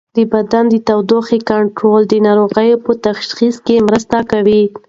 د بدن د تودوخې کنټرول د ناروغۍ په تشخیص کې مرسته کوي.